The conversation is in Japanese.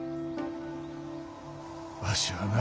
わしはな